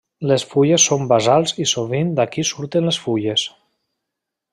Les fulles són basals i sovint d'aquí surten les fulles.